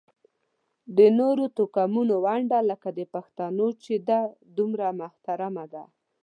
د نورو توکمونو ونډه لکه د پښتنو چې ده همدومره محترمه ده.